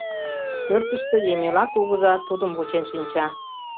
Пӧртыштӧ Емела кугыза тудым вучен шинча.